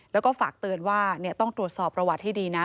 แล้วก็ฝากเตือนว่าต้องตรวจสอบประวัติให้ดีนะ